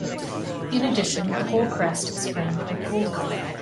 In addition, the whole crest is framed with gold color.